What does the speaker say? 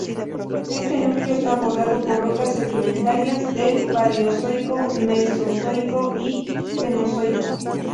Este núcleo está bordado por rocas sedimentarias del Paleozoico, Mesozoico y Cenozoico.